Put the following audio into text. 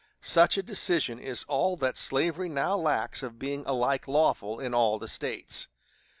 Such a decision is all that slavery now lacks of being alike lawful in all the States....